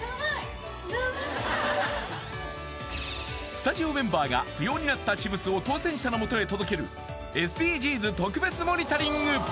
スタジオメンバーが不要になった私物を当選者の元へ届けるＳＤＧｓ特別モニタリング